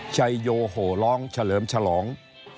ชัยโยโหร้องเฉลิมฉลอง